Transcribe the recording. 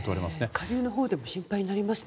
下流のほうでも心配になりますね